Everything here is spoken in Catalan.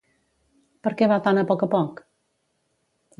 Perquè va tan a poc a poc?